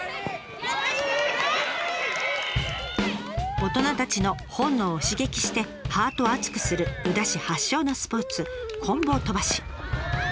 大人たちの本能を刺激してハートを熱くする宇陀市発祥のスポーツ棍棒飛ばし。